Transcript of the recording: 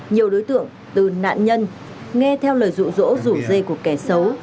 nhiều đối tượng từ nạn nhân nghe theo lời rụ rỗ rủ dây của kẻ xấu